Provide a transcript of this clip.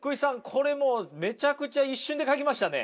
これもうめちゃくちゃ一瞬で描きましたね。